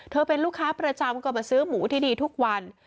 เป็นลูกค้าประจำก็มาซื้อหมูที่ดีทุกวัน